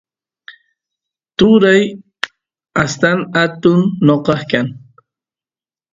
turay astan atun noqa kan